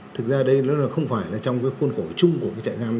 thực ra đây không phải trong khuôn khổ chung của chạy giam